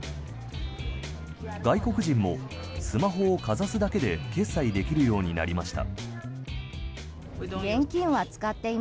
外国人もスマホをかざすだけで決済できるようになりました。